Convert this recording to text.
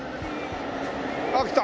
あっ来た。